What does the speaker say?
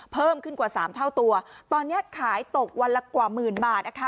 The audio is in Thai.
เพิ่มขึ้นกว่าสามเท่าตัวตอนนี้ขายตกวันละกว่าหมื่นบาทนะคะ